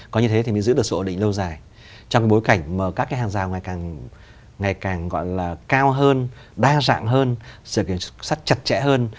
có như thế thì mới giữ được sự ổn định lâu dài trong cái bối cảnh mà các cái hàng rào ngày càng ngày càng gọi là cao hơn đa dạng hơn sự kiểm soát chặt chẽ hơn